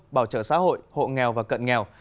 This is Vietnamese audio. bảo trợ xã hội hộ nghèo và cận nghèo